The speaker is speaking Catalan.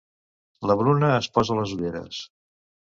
La Bruna es posa les ulleres.